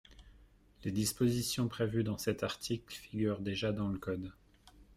Les dispositions prévues dans cet article figurent déjà dans le code.